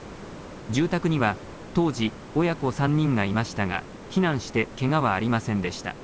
住宅には当時、親子３人がいましたが、避難してけがはありませんでした。